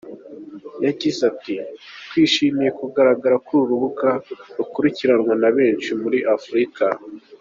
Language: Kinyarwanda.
Yagize ati “Twishimiye kugaragara kuri uru rubuga rukurikirwa na benshi muri Afurika.